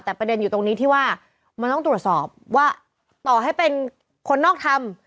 แต่ประเด็นอยู่ตรงนี้ที่ว่ามันต้องตรวจสอบว่าต่อให้เป็นคนนอกทำ